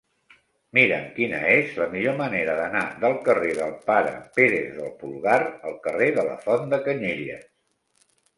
Mira'm quina és la millor manera d'anar del carrer del Pare Pérez del Pulgar al carrer de la Font de Canyelles.